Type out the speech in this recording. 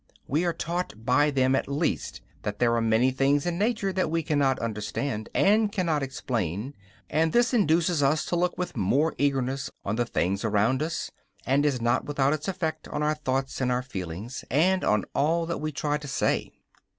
We are taught by them at least that there are many things in nature that we cannot understand and cannot explain, and this induces us to look with more eagerness on the things around us, and is not without its effect on our thoughts and our feelings, and on all that we try to say.